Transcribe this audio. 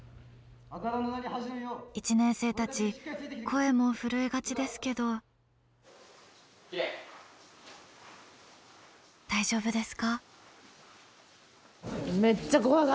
１年生たち声も震えがちですけど大丈夫ですか？